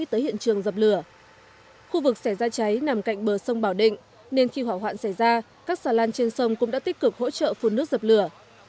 trong khi hỏa hoạn xảy ra các xà lan trên sông cũng đã tích cực hỗ trợ phun nước dập lửa